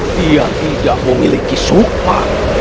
dia tidak memiliki suku